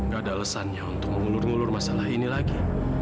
gak ada alasannya untuk mengulur ngulur masalah ini lagi